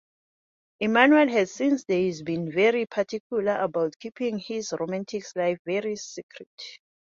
Emmanuel has since then been very particular about keeping his romantic life very secret.